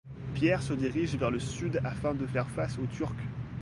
Pierre se dirige vers le sud afin de faire face aux Turcs.